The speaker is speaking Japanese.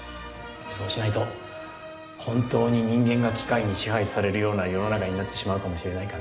そうしないと本当に人間が機械に支配されるような世の中になってしまうかもしれないからね。